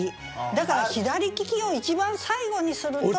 だから「左利き」を一番最後にすると。